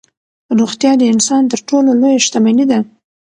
روغتیا د انسان تر ټولو لویه شتمني ده.